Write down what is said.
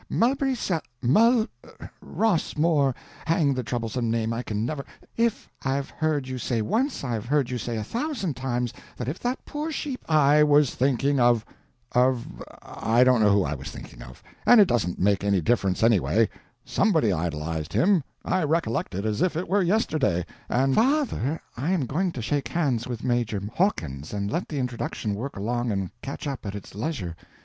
Mulberry Sel—Mul—Rossmore—hang the troublesome name I can never—if I've heard you say once, I've heard you say a thousand times that if that poor sheep—" "I was thinking of—of—I don't know who I was thinking of, and it doesn't make any difference anyway; _some_body idolized him, I recollect it as if it were yesterday; and—" "Father, I am going to shake hands with Major Hawkins, and let the introduction work along and catch up at its leisure.